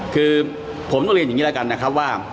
คือผมต้องเรียนอย่างนี้แล้วกันนะครับว่า